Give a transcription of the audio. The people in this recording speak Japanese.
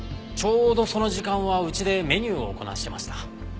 ちょうどその時間はうちでメニューをこなしていました。